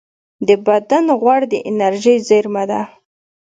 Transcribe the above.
د بدن غوړ د انرژۍ زېرمه ده